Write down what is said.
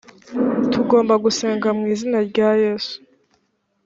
tugomba gusenga mu izina rya yesu